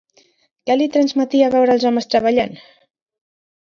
Què li transmetia veure els homes treballant?